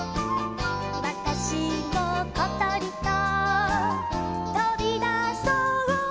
「わたしもことりととびだそう」